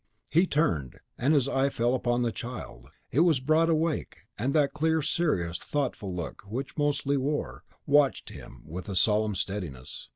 he turned, and his eye fell upon the child; it was broad awake, and that clear, serious, thoughtful look which it mostly wore, watched him with a solemn steadiness.